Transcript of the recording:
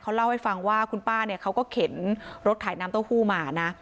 เล่าให้ฟังว่าคุณป้าเนี่ยเขาก็เข็นรถขายน้ำเต้าหู้มานะ